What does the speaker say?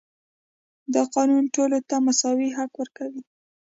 دا قانون ټولو ته مساوي حق ورکوي.